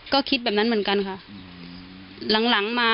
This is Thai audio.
ก็คิดแบบนั้นเหมือนกันค่ะ